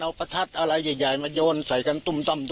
เอาประทัดอะไรใหญ่มาโยนใส่กันตุ้มต้อม